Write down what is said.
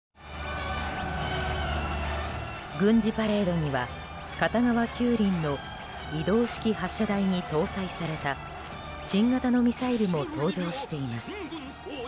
軍事パレードには片側９輪の移動式発射台に搭載された新型のミサイルも登場しています。